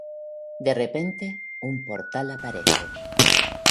De repente, un portal aparece.